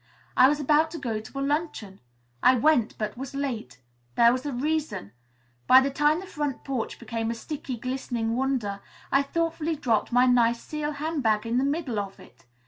I was about to go to a luncheon. I went, but was late. There was a reason. By the time the front porch became a sticky, glistening wonder, I thoughtfully dropped my nice seal handbag in the middle of it.